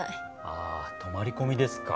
ああ泊まり込みですか。